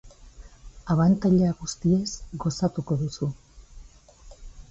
Abantaila guztiez gozatuko duzu.